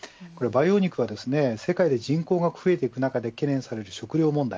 培養肉は世界で人口が増えていく中で懸念される食糧問題